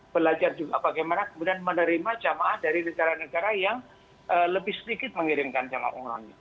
belajar juga bagaimana kemudian menerima jamaah dari negara negara yang lebih sedikit mengirimkan jamaah umrohnya